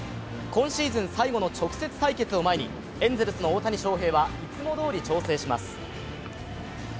今シーズン最後の直接対決を前にエンゼルスの大谷翔平はいつもどおり調整します。